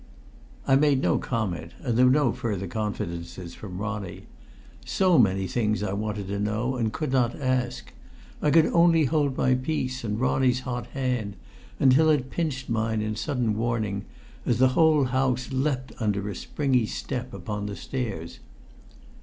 I made no comment, and there were no further confidences from Ronnie. So many things I wanted to know and could not ask! I could only hold my peace and Ronnie's hot hand, until it pinched mine in sudden warning, as the whole house lept under a springy step upon the stairs.